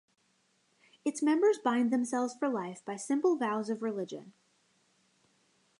Its members bind themselves for life by simple vows of religion.